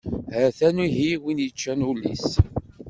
Ha-t-an ihi win yeččan ul-is!